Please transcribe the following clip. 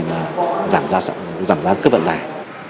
giảm giá cơ vận tải